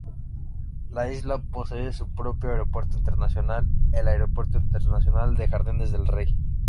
La isla posee su propio aeropuerto internacional, el Aeropuerto Internacional de Jardines del Rey".